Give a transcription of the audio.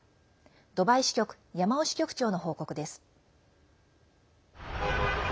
ドバイ支局山尾支局長の報告です。